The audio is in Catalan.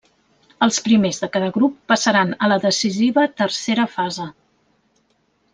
Els primers de cada grup passaran a la decisiva tercera fase.